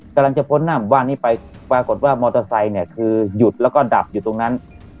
กำลังจะพ้นหน้าหมู่บ้านนี้ไปปรากฏว่ามอเตอร์ไซค์เนี่ยคือหยุดแล้วก็ดับอยู่ตรงนั้น